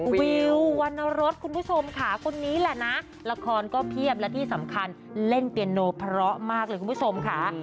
วิววรรณรสคุณผู้ชมค่ะคนนี้แหละนะละครก็เพียบและที่สำคัญเล่นเปียโนเพราะมากเลยคุณผู้ชมค่ะ